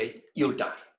anda akan mati